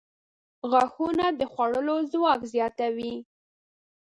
• غاښونه د خوړلو ځواک زیاتوي.